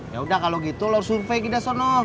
yaudah kalo gitu lo survei kita sana